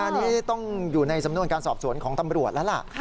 อันนี้ต้องอยู่ในสำนวนการสอบสวนของตำรวจแล้วล่ะ